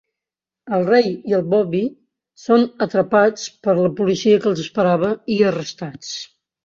El Ray i el Bobby són atrapats per la policia que els esperava i arrestats.